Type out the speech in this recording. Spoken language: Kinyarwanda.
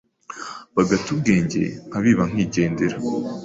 bagata ubwenge nkabiba nkigendera,